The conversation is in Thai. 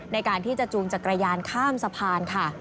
ในการที่จะจูงจักรยานข้ามสะพานค่ะ